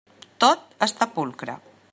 Tot està pulcre.